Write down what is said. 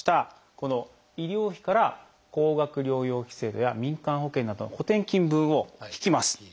この医療費から高額療養費制度や民間保険などの補てん金分を引きます。